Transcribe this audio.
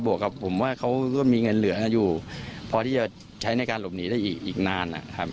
กับผมว่าเขาก็มีเงินเหลืออยู่พอที่จะใช้ในการหลบหนีได้อีกนานนะครับ